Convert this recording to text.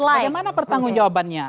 bagaimana pertanggung jawabannya